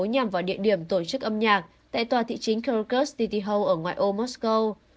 nhằm vào địa điểm tổ chức âm nhạc tại tòa thị chính kyrgyzstan ở ngoài ô moscow